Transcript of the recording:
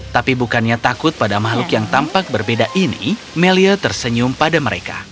tapi bukannya takut pada makhluk yang tampak berbeda ini melia tersenyum pada mereka